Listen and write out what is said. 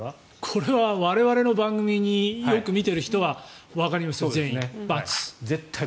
これは我々の番組をよく見ている人は全員わかりますよ。